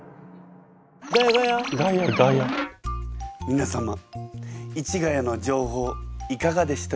皆様市ヶ谷の情報いかがでしたでしょうか？